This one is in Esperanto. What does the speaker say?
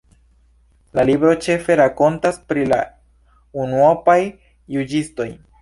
La libro ĉefe rakontas pri la unuopaj juĝistoj.